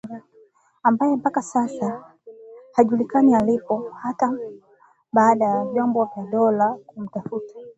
ambaye mpaka sasa haijulikani alipo hata baada ya vyombo vya dola kumtafuta